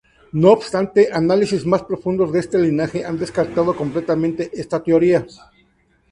No obstante, análisis más profundos de este linaje han descartado completamente esta teoría.